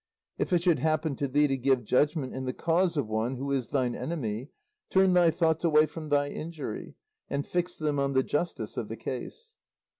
"If it should happen to thee to give judgment in the cause of one who is thine enemy, turn thy thoughts away from thy injury and fix them on the justice of the case.